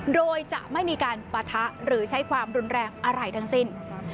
โดยจะไม่มีการปะทะหรือใช้ความรุนแรงอะไรทั้งสิ้น